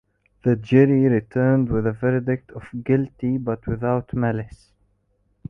The jury returned with a verdict of "Guilty - but without malice".